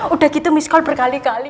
udah gitu miskon berkali kali